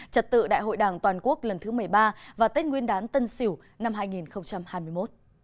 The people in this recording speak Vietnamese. trật tự đại hội đảng toàn quốc lần thứ một mươi ba và tết nguyên đán tân sỉu năm hai nghìn hai mươi một